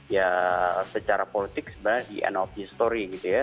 ya secara politik sebenarnya the end of history gitu ya